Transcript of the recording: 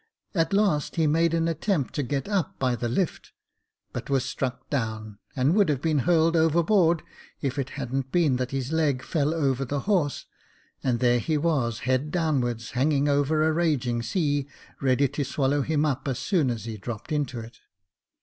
At last he made an attempt to get up by the lift, but was struck down, and would have been hurled overboard, if it hadn't been that his leg fell over the horse, and there he was head downwards, hanging over a raging sea, ready to swallow him up as soon as he dropt into it.